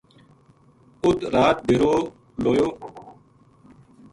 اُت رات ڈیرو لویو